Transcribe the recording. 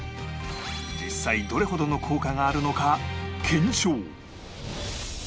実際どれほどの効果があるのか検証！